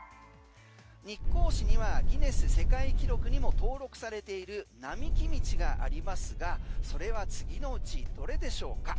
日光市にはギネス世界記録にも登録されている並木道がありますがそれは次のうちどれでしょうか？